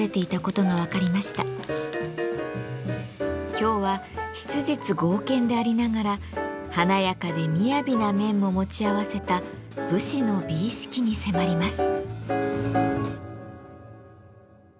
今日は質実剛健でありながら華やかでみやびな面も持ち合わせた武士の美意識に迫ります。